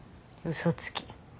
嘘つき。